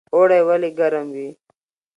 اوړی ولې ګرم وي؟